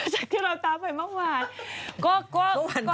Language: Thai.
จากที่เราตามไปเมื่อวาน